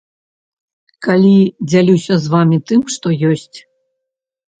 Калі дзялюся з вамі тым, што ёсць.